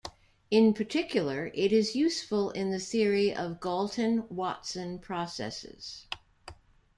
In particular, it is useful in the theory of Galton-Watson processes.